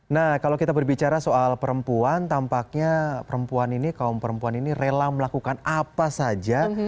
nah kalau kita berbicara soal perempuan tampaknya perempuan ini kaum perempuan ini rela melakukan apa saja